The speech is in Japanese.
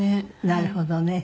なるほどね。